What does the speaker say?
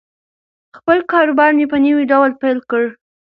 خپل کاروبار مې په نوي ډول پیل کړ.